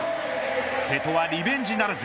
瀬戸はリベンジならず。